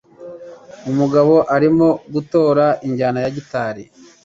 Umugabo arimo gutora injyana ya gitari.